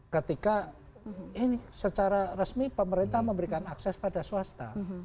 ketika secara resmi pemerintah memberikan akses pada swasta